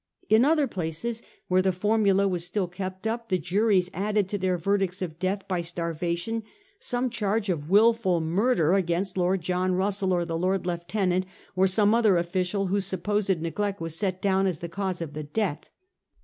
In other places where the formula was still kept up the juries added to their verdicts of death by starvation some charge of wilful murder against Lord John Russell or the Lord Lieutenant or some other official whose supposed neglect was set down as the cause of the death.